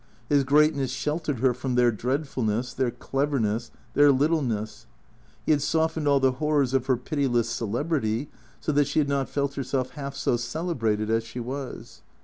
His greatness sheltered her from their dreadfulness, their cleverness, their littleness. He had softened all the hor rors of her pitiless celebrity, so that she had not felt herself half so celebrated as she was.